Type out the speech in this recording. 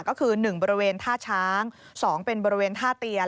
ก็คือ๑บริเวณท่าช้าง๒เป็นบริเวณท่าเตียน